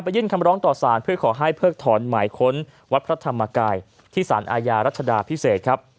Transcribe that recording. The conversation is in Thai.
ยื่นคำร้องต่อสารเพื่อขอให้เพิกถอนหมายค้นวัดพระธรรมกายที่สารอาญารัชดาพิเศษครับ